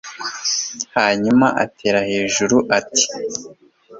hanyuma atera hejuru ati